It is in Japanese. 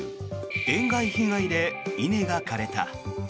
塩害被害で稲が枯れた。